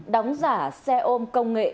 đóng giả xe ôm công nghệ